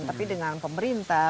tapi dengan pemerintah